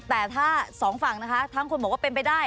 แต่ถ้าสองฝั่งนะคะทั้งคนบอกว่าเป็นไปได้